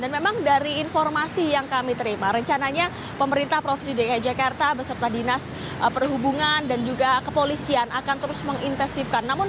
dan memang dari informasi yang kami terima rencananya pemerintah provinsi dki jakarta beserta dinas perhubungan dan juga kepolisian akan terus mengintensifkan